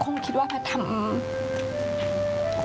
คงคิดว่าพะทรัม